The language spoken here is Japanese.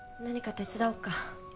何か手伝おうか？